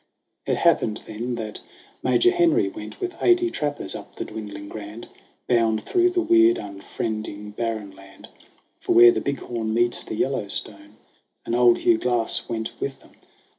It happened then that Major Henry went With eighty trappers up the dwindling Grand, .Bound through the weird, unfriending barren land For where the Big Horn meets the Yellowstone; And old Hugh Glass went with them.